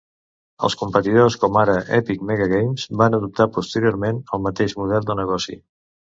Els competidors com ara Epic MegaGames van adoptar posteriorment el mateix model de negoci.